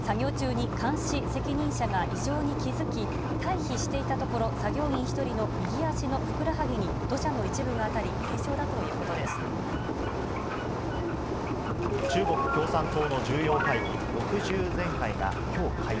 作業中に監視責任者が異常に気付き、退避していたところ、作業員１人の右足のふくらはぎに土砂の一部が当たり、中国共産党の重要会議、６中全会がきょう開幕。